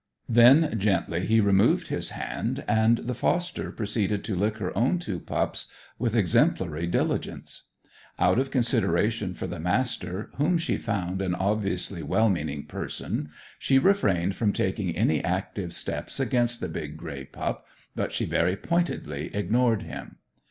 Then, gently, he removed his hand, and the foster proceeded to lick her own two pups with exemplary diligence. Out of consideration for the Master, whom she found an obviously well meaning person, she refrained from taking any active steps against the big grey pup, but she very pointedly ignored him.